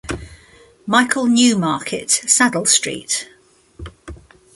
Michael–Neumarkt saddle–St.